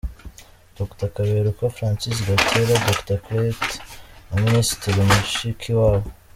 Dr Kaberuka, Francis Gatera, Dr Clet na Minisitiri Mushikiwabo.